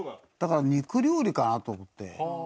だから肉料理かなと思って。